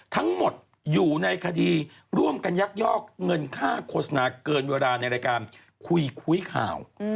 ทั้งหมดอยู่ในคดีร่วมกันยักยอกเงินค่าโฆษณาเกินเวลาในรายการคุยคุยข่าว